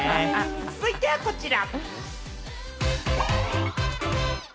続いてはこちら。